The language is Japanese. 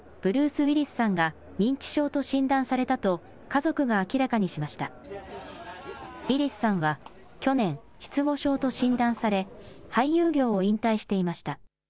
ウィリスさんは去年、失語症と診断され俳優業を引退していました。